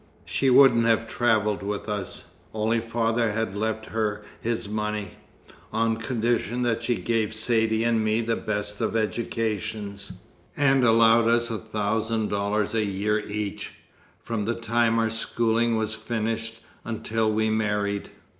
She wouldn't have travelled with us, only father had left her his money, on condition that she gave Saidee and me the best of educations, and allowed us a thousand dollars a year each, from the time our schooling was finished until we married.